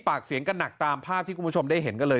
ปากเสียงกันหนักตามภาพที่คุณผู้ชมได้เห็นกันเลย